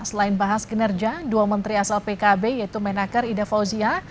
selain bahas kinerja dua menteri asal pkb yaitu menaker ida fauzia